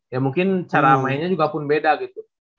ya mungkin cara mainnya juga pun beda gitu